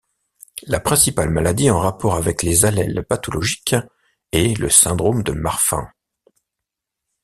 La principale maladie en rapport avec les allèles pathologiques est le syndrome de Marfan.